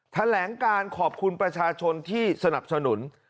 แถลงการขอบคุณประชาชนที่สนับสนุน